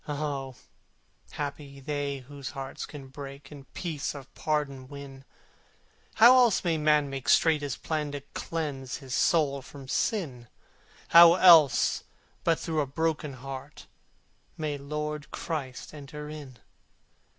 Ah! happy they whose hearts can break And peace of pardon win! How else may man make straight his plan And cleanse his soul from Sin? How else but through a broken heart May Lord Christ enter in?